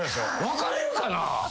分かれるかな？